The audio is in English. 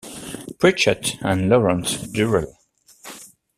Pritchett and Lawrence Durrell.